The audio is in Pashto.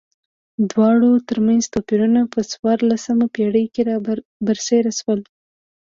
دواړو ترمنځ توپیرونه په څوارلسمه پېړۍ کې را برسېره شول.